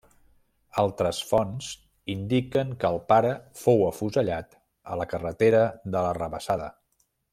Altres fonts indiquen que el pare fou afusellat a la carretera de la Rabassada.